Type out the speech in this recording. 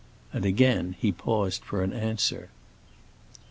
And again he paused for an answer.